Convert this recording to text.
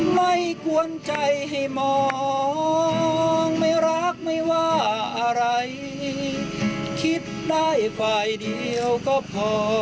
ไม่กวนใจให้มองไม่รักไม่ว่าอะไรคิดได้ฝ่ายเดียวก็พอ